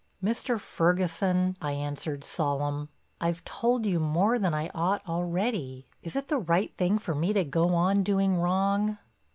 "Mr. Ferguson," I answered solemn, "I've told you more than I ought already. Is it the right thing for me to go on doing wrong?"